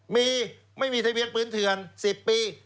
มีไม่มีทะเบียนปืนเถื่อน๑๐ปี